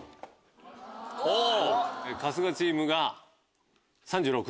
春日チームが３６。